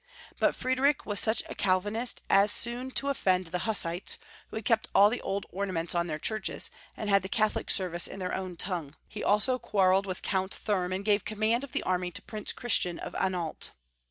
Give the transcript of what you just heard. But Fried rich was such a Calvinist as soon to offend the Hussites, who had kept all the old ornaments on their churches, and had the Catholic service in their own tongue. He also quarreled with Count Thurm, and gave command of the army to Prince Christian of Anhalt.